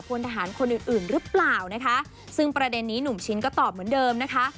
พลทหารคนอื่นอื่นหรือเปล่านะคะซึ่งประเด็นนี้หนุ่มชิ้นก็ตอบเหมือนเดิมนะคะ